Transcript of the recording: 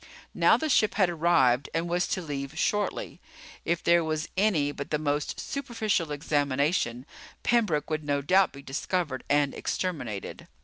Now the ship had arrived and was to leave shortly. If there was any but the most superficial examination, Pembroke would no doubt be discovered and exterminated.